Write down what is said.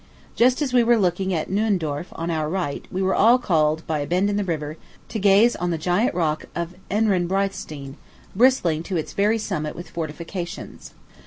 Just as we were looking at Nuendorf, on our right, we were all called, by a bend in the river, to gaze on the giant rock of Ehrenbreitstein, bristling to its very summit with fortifications.